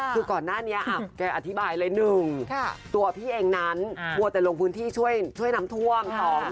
คือก่อนหน้านี้แกอธิบายเลย๑ตัวพี่เองนั้นมัวแต่ลงพื้นที่ช่วยน้ำท่วม